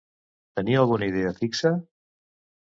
Tenia alguna idea fixa?